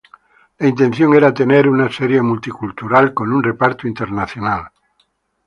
La intención era tener una serie multi-cultural con un reparto internacional.